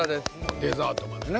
デザートまでね。